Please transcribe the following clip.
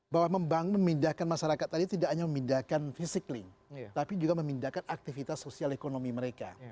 bahwa membangun memindahkan masyarakat tadi tidak hanya memindahkan physically tapi juga memindahkan aktivitas sosial ekonomi mereka